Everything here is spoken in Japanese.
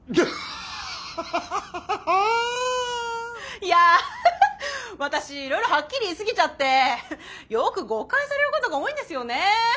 いや私いろいろはっきり言い過ぎちゃってよく誤解されることが多いんですよね。